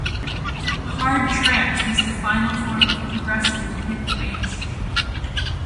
Hard trance was the final form of progressive to hit the mainstream.